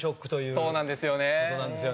事なんですよね。